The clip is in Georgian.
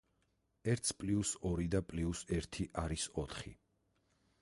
ერთს პლუს ორი და პლუს ერთი არის ოთხი.